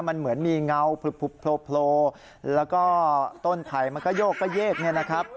มันเหมือนมีเงาพลบแล้วก็ต้นไผ่มันก็โยกกระเยก